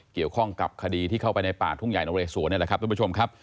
เกี่ยวข้องกับคดีที่เข้าไปในป่าทุ่งใหญ่นเรสวนนี่แหละครับทุกผู้ชมครับ